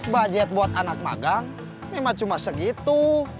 budget buat anak magang memang cuma segitu